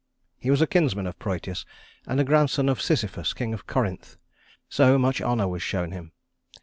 He was a kinsman of Prœtus and a grandson of Sisyphus, king of Corinth, so much honor was shown him.